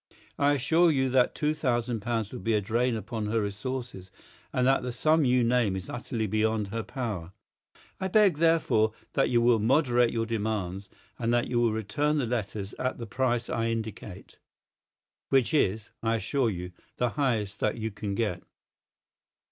I assure you that two thousand pounds would be a drain upon her resources, and that the sum you name is utterly beyond her power. I beg, therefore, that you will moderate your demands, and that you will return the letters at the price I indicate, which is, I assure you, the highest that you can get."